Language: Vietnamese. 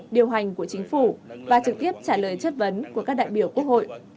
điều hành của chính phủ và trực tiếp trả lời chất vấn của các đại biểu quốc hội